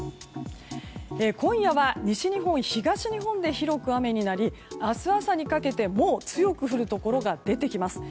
今夜は西日本、東日本で広く雨になり明日朝にかけて、もう強く降るところが出てきます。